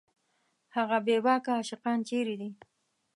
هغه بېباکه عاشقان چېرې دي